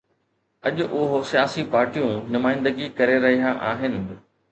اڄ اهو سياسي پارٽيون نمائندگي ڪري رهيا آهن